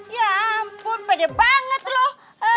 ya ampun pede banget loh